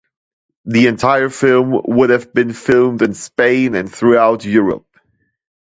The entire film would have been filmed in Spain and throughout Europe.